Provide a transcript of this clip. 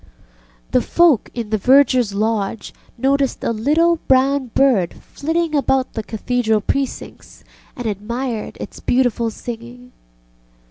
ŌĆØ The folk in the vergerŌĆÖs lodge noticed a little brown bird flitting about the Cathedral precincts, and admired its beautiful singing.